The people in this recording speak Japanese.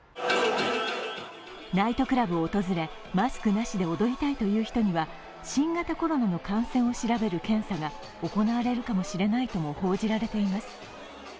ナイトクラブを訪れ、マスクなしで踊りたいという人には新型コロナの感染を調べる検査が行われるかもしれないとも報じられています。